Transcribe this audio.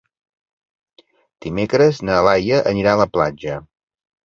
Dimecres na Laia anirà a la platja.